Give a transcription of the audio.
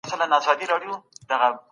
زموږ په هېواد کي لا دغه روحیه مروجه نه وه.